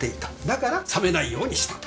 だから冷めないようにした。